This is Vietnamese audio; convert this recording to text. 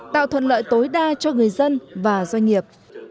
tạo thuận lợi tối đa cho người dân và doanh nghiệp